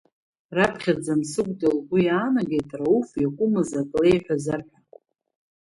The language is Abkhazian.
Раԥхьаӡа Мсыгәда лгәы иаанагеит, Рауф иакәымыз ак леиҳәазар ҳәа.